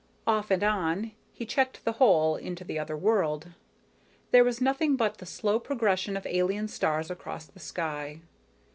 Off and on, he checked the hole into the other world. There was nothing but the slow progression of alien stars across the sky.